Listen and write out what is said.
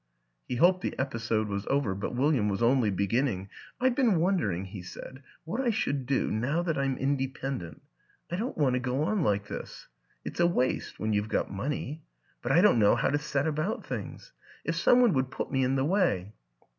He hoped the episode was over but William was only beginning. " I've been wondering," he said, " what I should do now that I'm independent. I don't want to go on like this. It's a waste when you've got money. But I don't know how to set about things. ... If some one would put me in the way